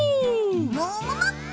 もももっも！